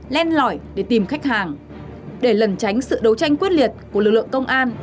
để lần tránh sự đấu tranh quyết liệt của lực lượng công an